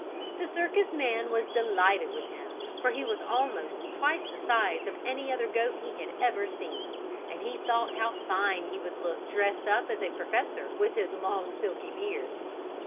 The circus man was delighted with him for he was almost twice the size of any other goat he had ever seen, and he thought how fine he would look dressed up as a professor with his long, silky beard.